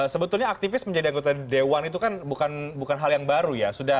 sebetulnya aktivis menjadi anggota dewan itu kan bukan hal yang baru ya